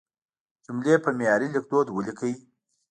جملې په معیاري لیکدود ولیکئ.